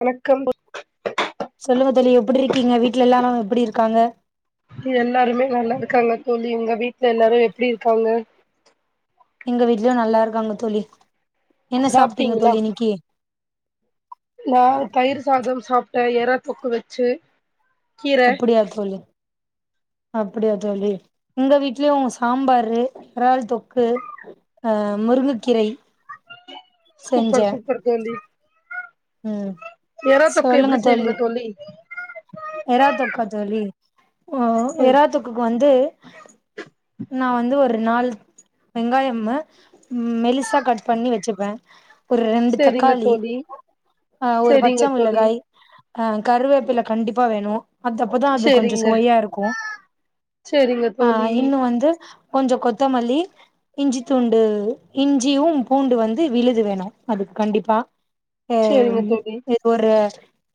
வணக்கம் சொல்லுங்க தோழி எப்படி இருக்கீங்க வீட்டு்ல எல்லாரும் எப்படி இருக்காங்க எல்லாருமே நல்லா இருக்காங்க தோழி இங்க வீட்டுல எல்லாரும் எப்படி இருக்காங்க எங்க வீட்லயும் நல்லா இருக்க தோழி என்ன சாப்ட்டீங்க சாப்பிட்டீங்களா தோழி இன்னைக்கி நா தயிர் சாதம் சாப்ப ஏற தொக்கு வச்சு கீர அப்படியா தோழி அப்படியா தோழி எங்க வீட்லயும் சாம்பாரு இறால் தொக்கு அஹ் முருங்கைக்கீரை சுப்பர் சுப்பர் தோழி ம் எறா தொக்கு எப்படி செய்வீங்க தோழி ஓ ம் எரா தொக்குக்கு வந்து ஆ நா வந்து ஒரு நாலு வெங்காயமு மெலிசா கட் பண்ணி வெச்சுப்ப ஒரு ரெண்டு செரிங்க தக்காளி தோழி ஆஹ் ஒரு செரிங்க பச்ச தோழி மிளகாய் ஆஹ் கருவேப்பில கண்டிப்பா அப்ப வேணு அது அப்பதா அது கொஞ்சோ செரிங்க சுவையா இருக்கு செரிங்க ஆஹ் தோழி இன்னு வந்து கொஞ்சோ கொத்தமல்லி இஞ்சி துண்டு இஞ்சியும் பூண்டு வந்து விழுது வேணு அதுக்கு கண்டிப்பா ஆஹ செரிங்க தோழி இது ஒரு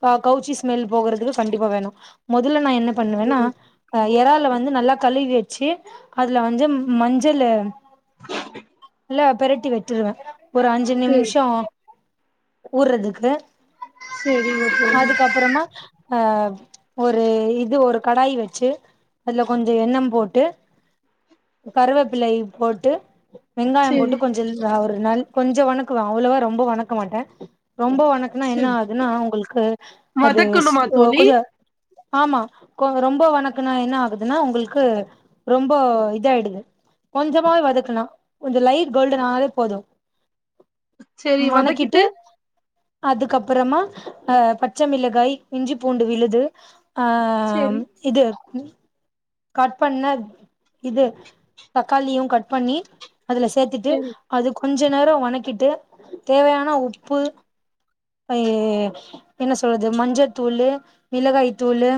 ஆ கவுச்சி ஸ்மெல் போகுறதுக்கு கண்டிப்பா வேணு முதல்ல நா என்ன பண்ணுவேன்னா ம் எரால் வந்து நல்லா கழுவி வெச்சு அதுல வந்து மஞ்சளு [inaudible] பெரட்டி விட்டுருவே ஒரு அஞ்சு செரி நிமிஷோ ஊர்றதுக்கு சரிங்க தோழி அதுக்கப்புறமா ஆ ஒரு இது ஒரு கடாய் வெச்சு அதுல கொஞ்சோ எண்ணம் போட்டு கருவேப்பிலை போட்டு வெங்காயம் போட்டு செரி கொஞ்சோ [unintelligible] ஒரு நாள் கொஞ்சோ வணக்குவ அவ்ளவா ரொம்போ வணக்க மாட்ட ரொம்போ வணக்குனா என்ன செரி ஆகுதுன்னா உங்களுக்கு அது ஸ் வதக்கணுமா தோழி [unintelligible] ஆமா கொ ரொம்போ வணக்குனா என்ன ஆகுதுன்னா உங்களுக்கு ரொம்போ இதாயிடுது கொஞ்சமாவே வதக்குனா கொஞ்சோ லைட் கோல்டன்னா ஆனாவே போது சரி வதக்கிட்டு வணக்கிட்டு அதுக்கப்பறமா ஹ பச்சைமிளகாய் இஞ்சி பூண்டு விழுது ஆஹ செரி இது ம் கட் பண்ண இது தக்காளியு கட் பண்ணி அதுல சேத்துட்டு செரி அதுக்கு கொஞ்சோ நேரோ வணக்கிட்டு தேவையான உப்பு அ என்ன சொல்றது மஞ்சத்தூளு மிளகாய்த்தூளு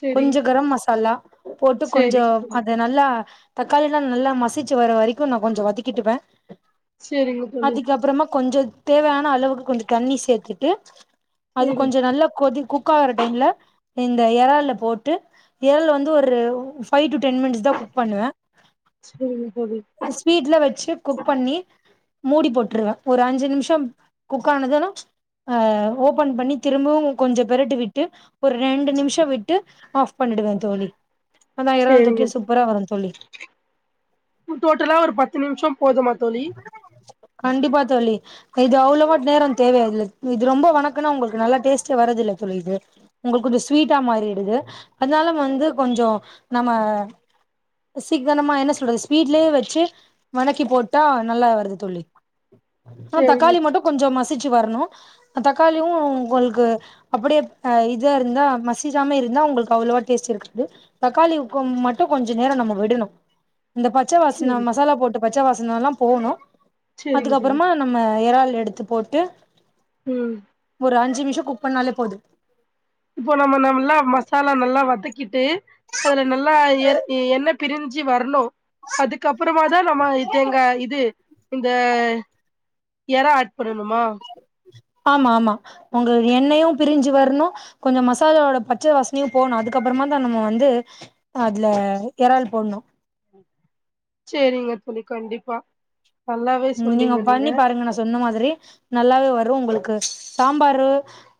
செரி கொஞ்சம் கரம் மசாலா போட்டு கொஞ்சம் செரிங்க தோழி அத நல்லா தக்காளில்லாம் நல்லா மசிச்சு வர வரைக்கும் நா கொஞ்சம் வதக்கிட்டுவேன் செரிங்க தோழி அதிக்கப்றமா கொஞ்ச தேவயான அளவுக்கு கொஞ்சம் தண்ணி சேத்துட்டு அது சேரி கொஞ்சம் நல்ல கொதி கு குக் ஆகுற டைம்ல இந்த எறால போட்டு எறால் வந்து ஒரு ஃபைவ் டு டென் மினிட்ஸ் தான் குக் பண்ணுவே சேரிங்க தோழி ஸ்பீடுல வச்சு குக் பண்ணி மூடி போட்ருவேன் ஒரு அஞ்சு நிமிஷம் குக் ஆனதும் ஆ.. ஓபன் பண்ணி திரும்பவும் கொஞ்சம் பெரட்டி விட்டு ஒரு ரெண்டு நிமிஷம் விட்டு ஆ பண்ணிடுவேன் தோழி ஆன எறால் சேரிங்க தொக்கு சூப்பரா வரும் தோழி டோட்டலா ஒரு பத்து நிமிஷம் கண்டிப்பா தோழி இது அவ்ளோவ நேரம் [unintelligible] இது ரொம்ப வணக்குனா உங்களுக்கு நல்லா டேஸ்ட்டே வரது இல்ல தோழி இது உங்களுக்கு கொஞ்சம் ஸ்வீட்டா மாறிடுது அதனால வந்து கொஞ்சம் நம்ம சிக்கனமா என்ன சொல்றது ஸ்பீடுலயே வச்சு வணக்கி போட்டு டா. நல்லா வருது தோழி ஆ சேரிங்க தக்காளி மட்டும் கொஞ்ச மசுச் மசிச்சு வரணும் தக்காளியும் உங்களுக்கு அப்படியே ஆ.. இத இருந்தா மசிச்சாம இருந்தா உங்களுக்கு அவ்ளோவ டேஸ்ட் இருக்காது தக்காளி மட்டும் கொஞ்ச நேரம் நம்ம விடணும் இந்த பச்ச வாசன சேரி மசாலா போட்டு பச்ச வாஸ் னாலாம் போணும் சேரிங்க தோழி அதுக்கப்றமா நம்ம எறால் எடுத்து போட்டு உம் அஞ்சி நிமிஷம் குக் பண்ணாலே போது இப்போ நம்ம நம்மல்லா மசாலா நல்லா வதக்கி க்கிட்டு அதுல நல்லா எ எண்ணெய பிரிஞ்சு வரணும் அதுக்கப்புறம தான் நம்ம தேங்கா இது இந்த ஏறா ஆட் பண்ணணுமா ஆமா ஆமா உங்க எண்ணெயும் பிரிஞ்சு வரணும் கொஞ்சம் மசாலாவோட பச்ச வாசனையும் போணும் அதுக்கப்புறமா தான் நம்ம வந்து அதுல எறால் போடணும் செரிங்க தோழி கண்டிப்பா நல்லாவே சொன்னீங்க உம் நீங்க பண்ணி பாருங்க நா சொன்ன மாதிரி நல்லாவே வரும் உங்களுக்கு சாம்பாரு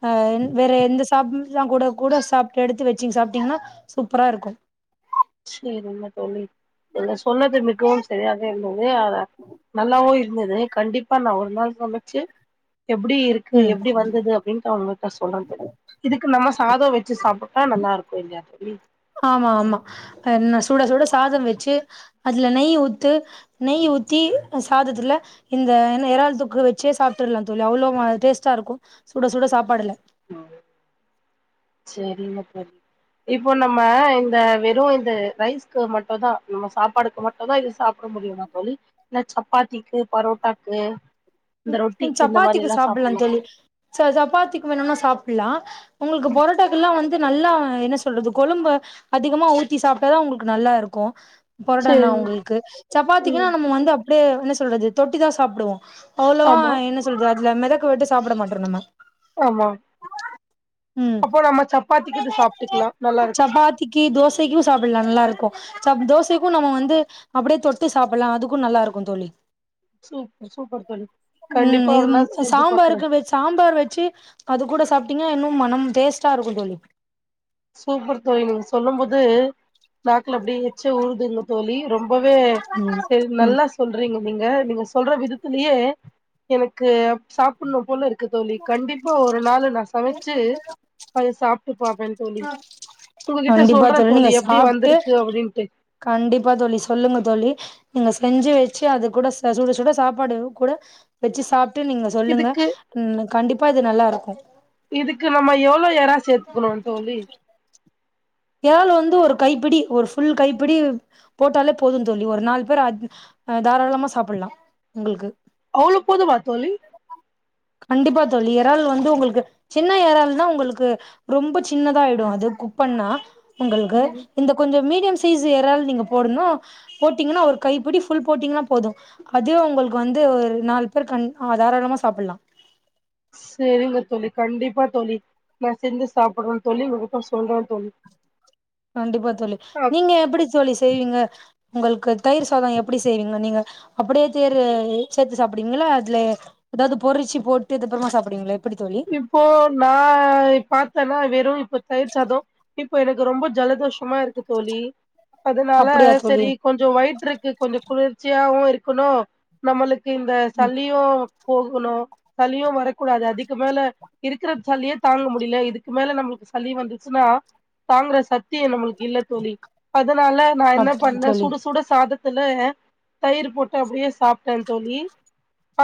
ஆ வேற எந்த சாப் ல்லாம் கூட கூட சாப்ட்டு எடுத்து வச்சிங்க சாப்பிட்டீங்கன்னா சூப்பரா இருக்கும் செரிங்க தோழி நீங்க சொன்னது மிகவும் சரியாக இருந்தது அத நல்லாவும் இருந்தது கண்டிப்பா நா ஒரு நாள் சமச்சு எப்டி இருக்கு ம் எப்டி வந்தது அப்டின்னுட்டு உங்ககிட்ட சொல்றேன் இதுக்கு நம்ம சாதம் வெ ச்சு சாப்பிட்டா நல்லா இருக்கும் இல்லையா தோழி ஆமா ஆமா என்ன சூட சூட சாதம் வச்சு அதுலா நெய் ஊத்து நெய் ஊத்தி சாதத்துல இந்த என்ன இறள் தொக்கு வச்சே சாப்பிடருலா தோழி அவ்ளோ டேஸ்ட்டா இருக்கு சுட சுட சாப்பாடுல ம் சரிமா தோழி இப்போ நம்ம இந்த வெறு இது ரைஸ்க்கு மட்டுதா நம்ம சாப்பாடுக்கு மட்டும் தான் இது சாப்பிட முடியுமா தோழி இன் சப்பாத்திக்கு பரோட்டாக்கு இந்த ரொட்டிக்கு இந்த மாரி சப்பாத்திக்கு எல்லா சாப்பிடலா சாப்புட்லா தோழி ச சப்பாத்திக்கு வேணுனா சாப் ப்புலா உங்ளுக்கு பொரோட்டக்கல்லா வந்து ந்து நல்லா என்ன சொல்றது கொழும்பு அதிகமா ஊத்தி சாப்பிட்டாதான் உங்களுக்கு நல்லா இருக்கு பொருடனா செரி உங்களுக்கு சப்பாத்திக்குன்னா ம் நம்ம வந்து அப்டியே என்ன சொல்றது தொட்டிதான் சாப்டுவோம் அவ்வளோவா ஆமா என்ன சொல்த இல்ல மிதகு விட்டு சாப்டு மாட்டோ மாடோ நம்ம ஆமா ம் அப்போ நம்ம சப்பாத்திக்கு இது சாப்ட்டுக்கலா நல்லா இருக்கு சப்பாத்திக்கு தோசைக்கும் சாப்பிடலா நல்லா இருக்கும் சப் தோசைக்கும் நம்ம வந்து அப்டியே தொட்டு சாப்பிடலாம் அதுக்கு நல்லா இருக்கு தோழி சூப் சூப்பர் தோழி ம் கண்டிப்பா ஒரு நாள் இது செஞ்சு பாக்குறே சாம்பாருக்கு வச் சாம்பார் வச்சு அது கூட சாப் டீங்க இன்னும் மனம் வேஸ்ட்டா இருக்கு தோழி சூப்பர் தோழி நீங்க சொல்லும் போது நாக்கல அப்டியெ எச்சு ஊருதுங்க தோழி இரொம் ரொம்பவே ம் சேரி ம் நல்லா சொல்றீங்க நீங்க நீங்க சொல்ற விதத்திலயே எனக்கு சாப்பிடனு போல இருக்கு க்கு தோழி கண்டிப்பா ஒரு நாள் நான் சமைச்சு அது சாப்ட்டு பாப்ப கண்டிப்பா தோழி நீங்க எப்டி சாப்ட்டு வந்திருக்கு அப்டின்ட்டு கண்டிப்பா தோழி சொல்லுங்க தோழி நீங் செஞ்சு வச்சு அது கூட அ சுட சுட சாப்பாடு கூட வச்சு சாப் டு நீங்க சொல்லுங்க இதுக்கு கண்டிப்பா இது நல்லா இருக்கு அ இதுக்கு நம்ம எவ்ளோ எரா சேர்த்துக்கணு தோழி லால் வந்து ஒரு கைப்பிடி ஒரு ஃபுல் கைப்பிடி போட்டாலே போது தோழி ஒரு நால் பேர் அத் தாராளமா சாப்பிடலா உங்களுக்கு அவ்ளோ போதுமா தோழி கண்டிப்பா தோழி இறால் வந்து உங்களுக்கு சின்ன எறள்னா உங்களுக்கு ரொம்ப சின்னதா ஆயிடு அது குக் பண்ணா உங்களுக்கு இந்த கொஞ்சோ மீடியம் சைஸ் இறால் நீங்க போடனு போட்டீங்கன்னா ஒரு கைப்பிடி ஃபுல் போட்டீங்கன்னா போது அது உங்களுக்கு வந்து ஒரு நாலு பேர் கன் தாராளமா சாப்பிடலா சேரிங்க தோழி கண்டிப்பா தோழி நான் செஞ்சு சாப்டுறே தோழி உங்கிட்ட சொல்றே தோழி கண்டிப்பா தோழி ஆ நீங்க எப்டி தோழி செய்வீங்க உங்களுக்கு தயிர் சாதம் எப்டி செய்வீங்க நீங்க அப்டியே தேரு சேத்து சாப்டுவிங்களா அதுல ஏதாவது பொறிச்சி போட்டு இது அப்பறமா சாப்டுவிங்கள இப்போ நான் பார்த்தேன்னா வெறு இப்போ தயிர் சாதோ இப்ப எனக்கு ரொம்ப ஜலதோஷமா இருக்கு தோழி அதனால அப்டியா தோழி செரி கொஞ்சோ வயிற்றுக்கு கொஞ்சோ குளிர்ச்சியாவு இருக்கணு நம்மளுக்கு இந்த ம் சல்லியு போகணு சளியும் வரக்கூடாது அதிக் மேல இருக்கற சல்லியே தாங்க முடியல இதுக்கு மேல நம்மளுக்கு சளி வந்துச்சுன்னா தாங்குற சத்தியம் நம்மளுக்கு இல்ல தோழி அது அதனால நான் என்ன அப்டியா பண்ணறே தோழி சுடசூட சாதத்த த்துல தயிர் போட்டு அப்டியே சாப்டே தோழி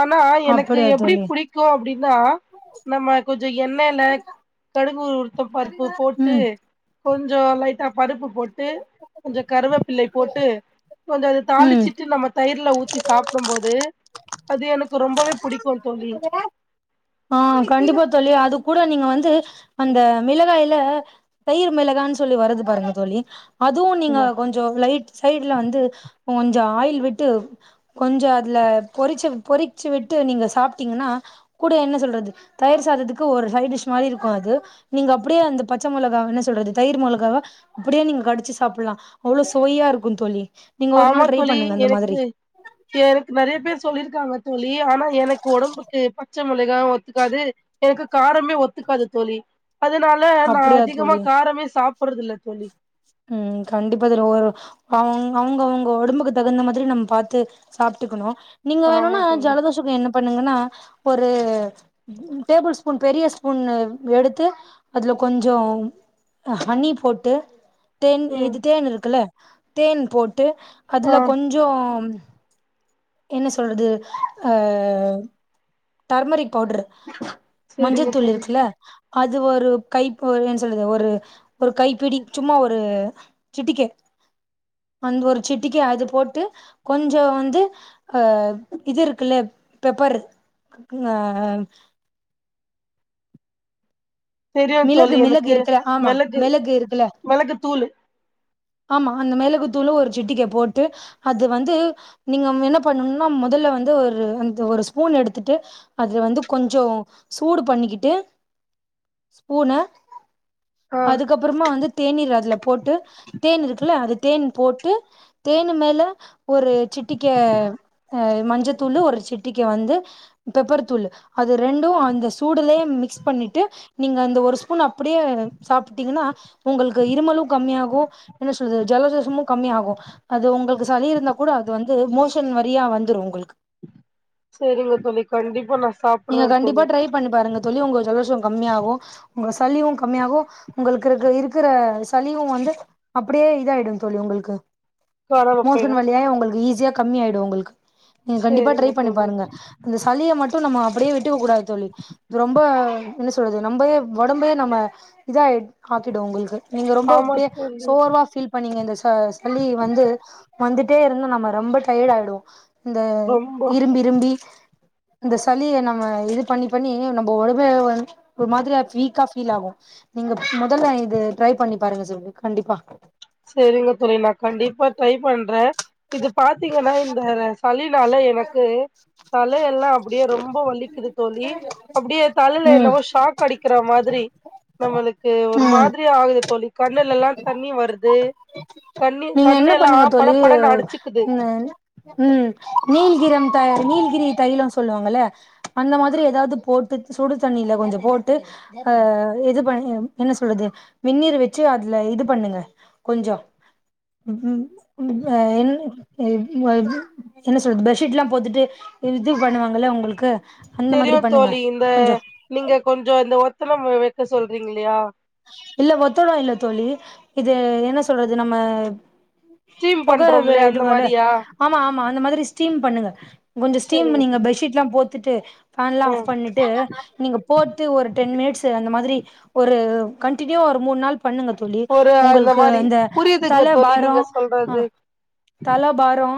ஆனா எனக்கு அப்டியா எப்டி தோழி புடிக்கூ அப்டின்னா நம்ம கொஞ்சோ எண்ணெய்ல கடுகு உலுத்தம் பருப்பு போட்டு ம் கொஞ்சோ லைட்டா பருப்பு போட்டு கொஞ்சோ கருவேப்பிள்ளை போட்டு கொஞ்சோ அது ம் தாளிச்சிட்டு நம்ம தயிர் ல ஊத்தி சாப்டும் போது அது எனக்கு ரொம்பவே புடிக்கூ தோழி ஆஹ் கண்டிப்பா தோழி அது கூட நீங்க வந்து அந்த மிளகாயில தயிர் மிளகானு சொல்லி வருது பாருங்க தோழி அதுவும் நீங்க கொஞ்சோ லைட் சைடுல வந்து கொஞ்சோ ஆயில் விட்டு கொஞ்சோ அதுல பொறிச்சு பொறிச்சு விட்டு நீங்க சாப்பிட்டீங்கன்னா கூட என்ன சொல்றது தயிர் சாதத்துக்கு ஒரு சைட் டிஷ் மாரி இருக்கூ அது நீங்க அப்படியே அந்த பச்ச மொளகாவ என்ன சொல்றது தயிர் மொழகாவ அப்டியே நீங்க கடிச்சு சாப்பிடலா அவ்வளோ சுவையா இருக்கூ தோழி சுவையா இருக்கூ த தோழி நீங்க ஒரு ஆமா நாள் ட்ரை தோழி பண்ணுங்க அந்த எனக்கு மாதிரி எனக்கு நெறைய பேர் சொல்லிருக்காங்க தோழி ஆனா எனக்கு ஒடம்புக்கு பச்ச மொளகா ஒத்துக்காது எனக்கு காரமே ஒத்துக்காது தோழி அதனால நான் அப்டியா அதிகமா காரமே சாப்டுறது இல்ல தோழி உஹம் கண்டிப்பா அதல ஒரு அவுங்க அவுங்க அவுங்க ஒடம்புக்கு தகுந்த மாதிரி நம்ம பாார்த்து சாப்ட்டுக்கணும் நீங்க ஆமா வேணும்னா தோழி ஜலதோஷக என்ன பண்ண [inaudible] ங்கன்ன ஒரு டேபிள் ஸ்பூன் பெரிய ஸ்பூன் எடுத்து அதுல கொஞ்சோ ஹனி போட்டு தேன் ம் இது தேன் இருக்குல்ல தேன் போட் ட்டு ஆ அதுல கொஞ்சோ என்ன சொல்றது அ டர்மெரிக் பவுடர் செரிங்க மஞ்சள்த்தூள் தோழி இருக்குல்ல அது ஒரு கைப் ஓர் என் சொல்ரது ஒரு ஒரு கைப்பிடி சும்மா ஒரு சிட்டிக்கே அந் ஒரு சிட்டிக்கே அது போட்டு கொஞ்சோ வந்து அ இது இருக்குல்ல பெப்பர் குக்குயா தெரியு மிளகு தோழி மிளகு எனக்கு இருக்குல ஆமா மெளகு மிளகு இருக்குல மெளகு தூளு ஆமா அந்த மிளகு தூளு ஒரு சிட்டிக போட்டு அது வந்து நீங்கம் என்ன பண்ணும்னா மொதல்ல வந்து ஒரு அந்த ஒரு ஸ்பூன் எடுத்துட்டு அதுல வந்து கொஞ்சோ சூடு பண்ணிக்கிட்டு ஸ்பூன ஆ அதுக்கப்புறமா வந்து தேநீர் அதுல போட்டு தேன் இருக்குல்ல அது தேன் போட்டு தேனு மேல ஒரு சிட்டிக்கே அ மஞ்சத்தூளு ஒரு சிட்டிக வந்து பெப்பர் தூளு அது ரெண்டு அந்த சூடலே மிக்ஸ் பண்ணிட்டு நீங்க அந்த ஒரு ஸ்பூனு அப்புடே சாப்ட்டீங்ன்னா உங்கள்க்கு இருமலு கம்மியாகு ஓ என்ன சொல்றது ஜலதோசமு கம்மியாகு அது உங்களுக்கு சளி இருந்தா கூட அது வந்து மோஷன் வழியா வந்துரு உங்களுக்கு சேரிங்க தோழி கண்டிப்பா நா நீங்க சாப்புட்றே கண்டிப்பா தோழி ட்ரை பண்ணி பாருங்க தோழி உங்க ஜலதோஷ கம்மியாகு உங்க சளியு கம்மியாகு உங்களுக்கு இருக்க இருக்கிற சளியு வந்து அப்படியே இதாயிடும் தோழி உங்களுக்கு காணாம போயிடு மோசன் வழியா உங்களுக்கு ஈசி ஜி கம்மியாயிடும் உங்களுக்கு நீங்க கண்டிப்பா ட்ரை செரிங்க பண்ணி தோழி பாருங்க அந்த சளியை மட் இப்ப நாம அப்படியே விட்டுவைக்க கூடாது தோழி ரொம்ப என்ன சொல்றது நம்ப உடம்பையே நம்ம இதாக் ஆக்கிடும் உங்களுக்கு நீங்க ரொம்ப ஆமா இப்படியே தோழி சோர்வா ஃபீல் பண்ணீங்க இந்த ச் அ சளி வந்து வந்துட்டே இருந்தா நம்ம ரொம்ப டயர்ட் ஆயடுவோ இந்த ரொம்ப இரும்பிஇரும்பி இந்த சளிய நா இது பண்ணி பண்ணி நம்ம உடம்பே ஒரு மாதிரியா வீக்கா ஃபீல் ஆகும் நீங்க முதல்ல இது ட்ரை பண்ணி பாருங்க தோழி கண்டிப்பா சேரிங்க தோழி நா கண்டிப்பா ட்ரை பண்றே இது பாத்தீங்கன்னா இந்த சளி நாலே எனக்கு தலயெல்லாம் அப்படியே ரொம்ப வலி க்குது தோழி அப்படியே தலைல ம் என்னவோ ஷாக் அடிக்கிற மாதிரி நம்மளுக்கு ஒரு மாதிரி ஆகுது தோழி கண்ணுல எல்லாம் தண்ணி வருது கண்ணி நீங்க என்ன கண்ணெல்லா பண்ணுங்க பட தோழி படன்னு அடச்சிக்குது ம் அ ம் ம் நீல்கிரம் தைல் நீல்கிரி தைலம் ஸ் சொல்லுவாங்கள்ல அந்த மாதிரி ஏதாவது போட்டு சுடு தண்ணியில கொஞ்சம் போட்டு அ இது பண்ணி என்ன சொல்றது வெண்ணீர் வெச்சு அதுல இது பண்ணுங்க கொஞ்சோ ம் [unintelligible] என்ன சொல்றது பெட்ஷீட்ல்லா போத்திட்டு இது பண்ணுவாங்கள்ல உங்க இருக்க தெரியு தோழி இந்த நீங்க கொஞ்சோ இந்த வோர்க் த்தன ம வேர்க்க சொல்றீங்க இல்லையா இல்ல ஒத்தடம் இல்ல தோழி இது என்ன சொல்றது நம்ம ஸ்டீம் பொக பண்றோம்ல அந்த விடுவல மாரியா ஆமா ஆமா அந்த மாரி ஸ்டீம் பண்ணுங்க கொஞ்சோ ஸீடீம் செரிங்க நீங்க பெட்ஷீட்லா போத் த்துட்டு ஃபேன்லா ஆ ஆஃப் பண்ணிட்டு நீங்க போட்டு ஒரு டென் மினிட்ஸ் அந்த மாதிரி ஒரு கண்டினியூவா ஒரு மூணூ நாள் பண்ணுங்க தோளி ஒரு அந்த உங்களுக்கு மாரி இந்த புரியுதுங்க தோழி தலைபாரோ நீங்க அ சொல்றது தலைபாரோ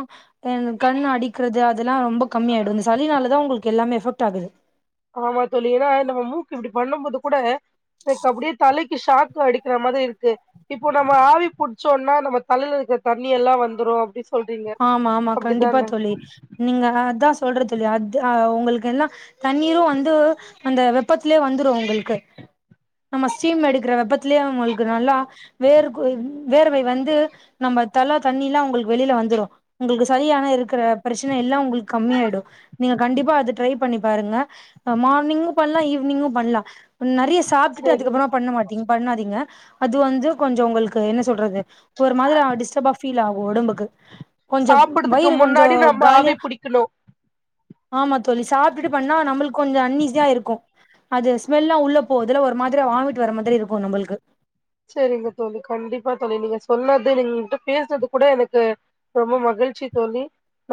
ஆ கண் அடிக்கிறது அதெல்லா ரொம்ப கம்மிய ஆகிடு அ இந்த சளினாலதா உங்களுக்கு எல்லாமே எஃபெக்ட் ஆகுது ஆமா தோழி ஏன்னா நம்ம மூக்கு இப்படி பண்ணும் போது கூட எனக்கு அப்படியே தலைக்கு ஷாக்கு அடிக்கிற மாதிரி இருக்கு இப்போ நம்ம ஆவி புடிச்சோம்னா நம்ம தலையில இருக்கிற தண்ணி எல்லா வந்துரு அப்படில்ல ஆமா ஆமா கண்டிப்பா தோழி நீங்க அதா சொல்றது இல்லையா அது உங்களுக்கு எல்லா தண்ணீரு வந்து அந்த வெப்பத்திலயே வந்துரு உங்களுக்கு நம்ம ஸ்டீம் எடுக்கிற வெப்பத்திலயே அவங்களுக்கு நல்லா வேர்க்கு வேர்வை வந்து நம்ம தல தண்ணியில்லா உங்களுக்கு வெளியில வந்துடு உங்களுக்கு சரியான இருக்கு இருக்குர பிரச்சனை எல்லா உங்குளுக்கு கம்மிய ஆயிடு நீங்க கண்டிப்பா அது ட்ரை பண்ணி பாருங்க மார்னிங்கு பண்ணலா ஈவினிங்கு பண்ணலா நறைய சாப்பிட்டு செரி அதுக்கப்புறமா பண்ண மாட்டீங்க பண்ணாதீங்க அது வந்து கொஞ்சு உங்குளுக்கு என்ன சொல்றது ஒரு மாதிரி டிஸ்டர்பா ஃபீல் ஆகு ஓடம்புக்கு சாப்படுதுக்கு முன்னாடி நம்ம ஆவி புடிக்கணு ஆமா தோழி சாப்பிட்டு பண்ணா நம்மளுக்கு கொஞ்சு அன்ஈஸியா இருக்கு அது ஸ்மெல்லல்லா உள்ள போதுல ஒரு மாதிரிய வாமிட் வர மாதிரி இருக்கு நம்மளுக்கு சரிங்க தோளி கண்டிப்பா தோளி நீங்க சொன்னது நீங்க என்கிட்ட பேசுனது கூட எனக்கு ரொம்ப மகிழ்ச்சி தோளி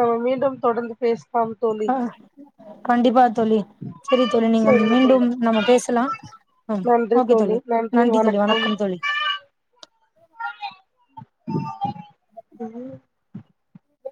நம்ம மீண்டும் தொடர்ந்து பேச ஆ கண்டிப்பா தோளி சரி தோளி நீங்க செரிங்க தோழி மீண்டும் நம்ம பேசலா ஆ ஓக்கே தோளி நன்றி தோளி வணக்கம் தோளி [unintelligible]